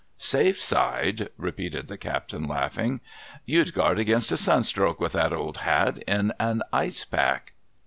' vSafe side !' repeated the captain, laughing. ' You'd guard against a sun stroke, with that old hat, in an Ice Pack.